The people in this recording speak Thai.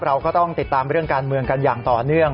เราก็ต้องติดตามเรื่องการเมืองกันอย่างต่อเนื่อง